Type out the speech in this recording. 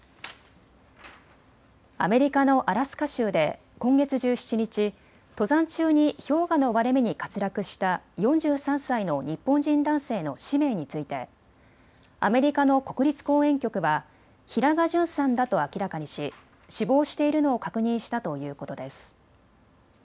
アメリカのアラスカ州で今月１７日、登山中に氷河の割れ目に滑落した４３歳の日本人男性の氏名についてアメリカの国立公園局はヒラガ・ジュンさんだと明らかにし、死亡しているのを確認したということです。